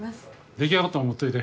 出来上がったら持っておいで。